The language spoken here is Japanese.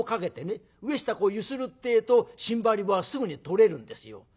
上下こう揺するってえとしんばり棒はすぐに取れるんですよ。